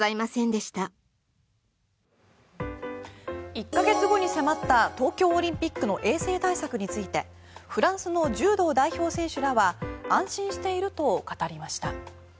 １か月後に迫った東京オリンピックの衛生対策についてフランスの柔道代表選手らは安心していると語りました。